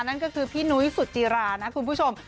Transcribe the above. นั่นก็คือพี่นุ้ยสุจิรานะคุณผู้ชม